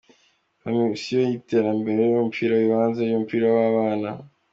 Komisiyo y’iterambere ry’umupira w’ibanze n’umupira w’abana.